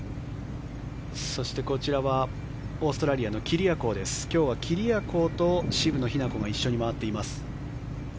そしてこちらはオーストラリアのキリアコーです今日はキリアコーと渋野日向子が一緒に回っています。